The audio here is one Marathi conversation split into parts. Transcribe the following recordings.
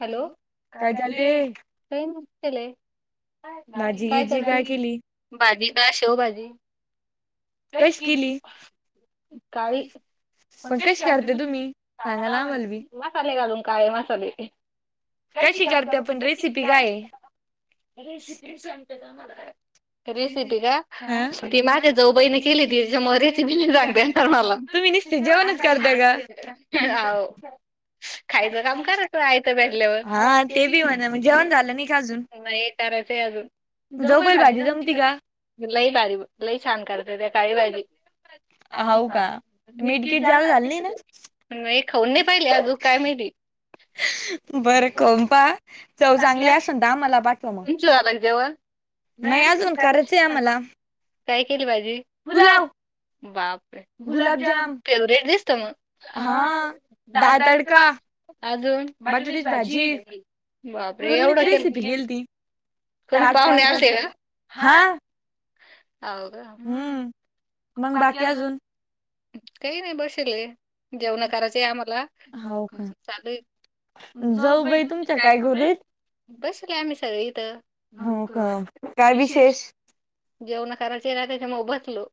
हॅलो कां काय चालले चालूय काय नाय भाजी केलंय काय गिजी कलते केली भाजी का शेवभाजी फ्रेश केली काळी मंग पण कशी घालता करते तुम्ही सांगा ना का आम्हाला बी [unintelligible] मसाले घालून काळे मसाले कशी घालता करते पण तुम्ही रेसिपी हाय काय आहे म्हण रेसिपि सांगते थांबा ना रेसिपी का हा ती माझ्या जऊ बाईणी केली होती त्याच्यामुळे रेसिपी नाय सांगता येणार मला तुम्ही नुसतं जेवणच करता हाव खायचं काम कराचं आय पडल्यावर हा ते बी म्हणा मग जेवण झालं नाही का अजून हाय तवा हे कराचं अजून जाऊ बाई बैल भाजी घालू की जमती का जरा लई बारी लई छान करत्या त्या काळी भाजी हाव का मिर्चीत मीटकीट जरा जास्त झालं जाते नाही कां ना तु नई खाऊन नाही पाहिली अजूकं काय महिती बरं खाऊन पहा चव चांगली असनं त आम्हला पाठवा म तुमचं झालं का जेवण नाही अजून कराचंय आम्हाला काय केली भाजी पुलाव बापरे! गुलाबजाम फेवरेट दिसतो मग हा डाळ दादाच्या तडका अजून बटाट्याची भाजी बाप रे! एवढा पूर्णीच केल रेसिपी केलती कोण ताट पाहुणे तयार आलते कां केलतं हा हाव का? हूं मंग बाकी अजून काय नाय बसेल जेवण कराचीये आम्हाला हो का चालूय. जाऊ बाई तुमच्या काय करू राईत बसलोय आम्ही सगळे इथ हो का काय विशेष जेवण कराचे ना त्याच्यामुळं बसलो.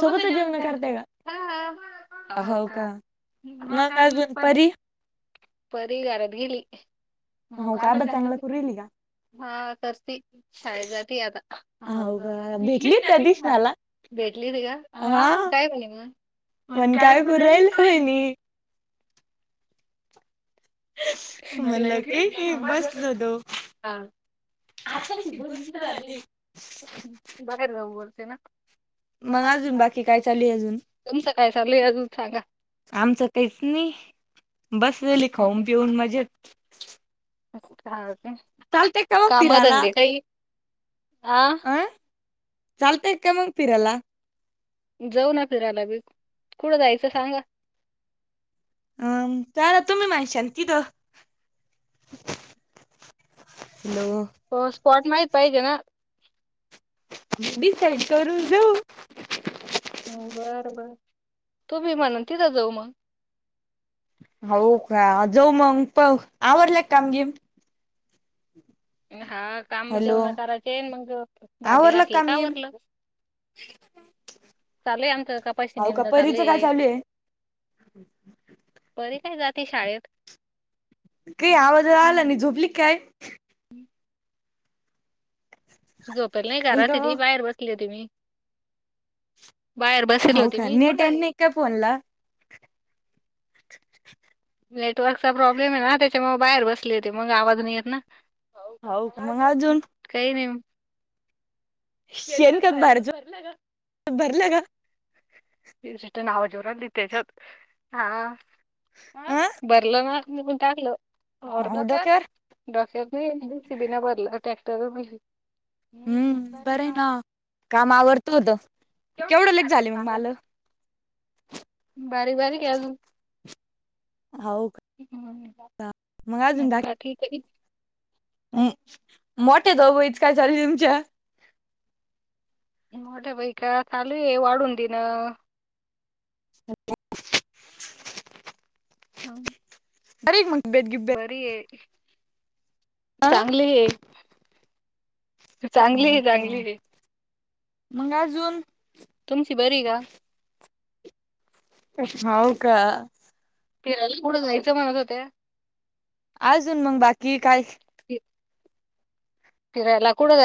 सोबतच जेवण करताय हा का हो का मग अजून परी परी घरात गेली. हो का अभ्यास चांगलं करू राईली का? हा करती शाळेत जाती आता हाव हो गं का? ती ही भेटली त्या त्यादिवशी दिवशी माला मला. भेटली होती का काय बोलली म पण काय करू राहिल्या वहीनी म्हणलं काही नाही [unintelligible] बसलो होतो. हा आसल की दोन मिनिट झाली बाहेर जाऊ बोलते ना मग अजून बाकी काय चालू ये अजून तुमच काय चालूय अजून सांगा आमचं तेच नी बसलेली खाऊन पिऊन मजेत काय होतंय चालतंय का मग फिरायला? कामधंदे काई आ ह चालतय का मंग फिरायला जऊ ना फिरायला बी कुठं जायचं सांगा अम काय नाही तुम्ही माहिशल तिथे [inaudible] हॅलो! हो स्पॉट माहीत पाहिजे ना डिसाईड करून जाऊ बरं बर तुम्ही म्हणल तिथं जाऊ मग हो का जाऊ मग आवरले का काम बीम हा काम हॅलो तेव ना करायचे मग भांडे घासयचे आवरलं असले काम का गेम आवरलं चाले आमचे आता हावू का परीच काय चालू आहे? परी काय जाते शाळेत काई आवाज आला नाही झोपली काय? झोपेला नाही हॅलो घरात ती बाहेर बसली होती मी बाहेर बसेल हो होती का मी नेट नाही का फोन ला नेटवर्कचा प्रॉब्लेम आहे ना त्यांच्यामुळे बाहेर बसले ते मग आवाज नाही येत ना हो का अजून मग काही नाही शेंगदाणे बाहेरच [unintelligible] भरलं ना जष्ट नाव जोर ल त तेज हा ह अ बरल ना मुटालं हो डोक्यावर [unintelligible] भरलं ट्रॅक्टर [unintelligible] हम्म बरं ना काम आवरतो होत केवढं लेट झाले मग बारीक मला बारीक बारीक आहे आजून हावू क ह [unintelligible] बाकी ठीक मोठया जाऊ बाई चे काय चालू तुमच्या मोठया बाई का चालू आहे वाढून देणं ह [unintelligible] हम्म बरी का मग तब्येत बिबतेत बरी आहे चांगली आहे चांगली हो आहे का? चांगली आहे मग अजून, तुमची बरी का? हो का फिरायला कुढं जायचं म्हणत होते. आजून मग बाकी काय? फि- फिरायला कुढं जा